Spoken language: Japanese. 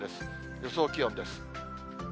予想気温です。